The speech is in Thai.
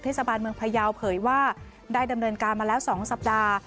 เทศบาลเมืองพยาวเผยว่าได้ดำเนินการมาแล้ว๒สัปดาห์